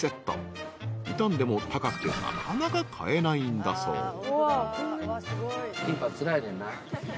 ［傷んでも高くてなかなか買えないんだそう］